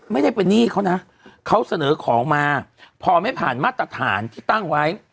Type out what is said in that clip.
ไม่ได้เป็นหนี้เขานะเขาเสนอของมาพอไม่ผ่านมาตรฐานที่ตั้งไว้